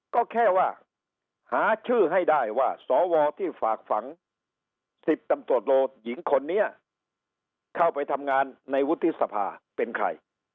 ก็แค่ว่าหาชื่อให้ได้ว่าสวที่ฝากฝัง๑๐ตำรวจโลหญิงคนนี้เข้าไปทำงานในวุฒิสภาเป็นใคร